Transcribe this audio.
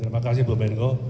terima kasih bu menko